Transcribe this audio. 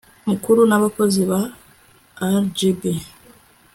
mukuru n abakozi ba rgb